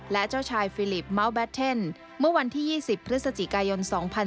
และเจ้าชายฟิลิปเมื่อวันที่๒๐พฤศจิกายน๒๔๙๐